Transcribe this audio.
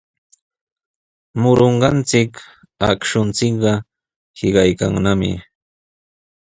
Murunqachik akshunchikqa hiqaykannami.